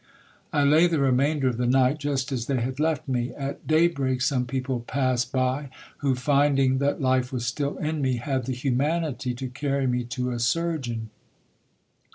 I lay the remainder of the night, just as they had left me. At daybreak some people passed by, who, finding that life was still in me, had the humanity to carry me to a surgeon.